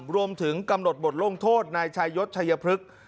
รวมถึงกำหนดบทลงโทษนายชายศชายพฤกษ์